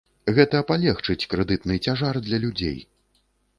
Гэта палегчыць крэдытны цяжар для людзей.